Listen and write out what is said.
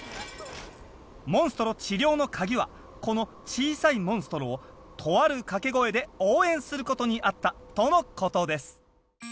モンストロ治療のカギはこの小さいモンストロをとある掛け声で応援することにあったとのことです。